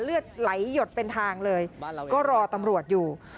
เลือดไหลหยดเป็นทางเลยก็รอตำรวจอยู่